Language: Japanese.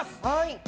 はい。